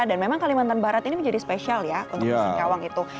dan memang kalimantan barat ini menjadi spesial ya untuk singkawang itu